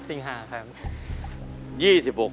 สิงหาครับ